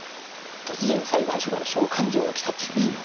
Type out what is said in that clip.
突然裁判所から召喚状が来たというんですよ。